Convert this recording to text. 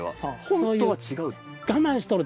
本当は違う。